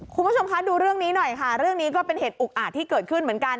คุณผู้ชมคะดูเรื่องนี้หน่อยค่ะเรื่องนี้ก็เป็นเหตุอุกอาจที่เกิดขึ้นเหมือนกัน